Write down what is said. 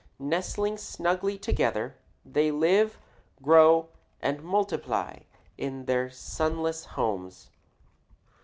Nestling snugly together, they live, grow, and multiply in their sunless homes.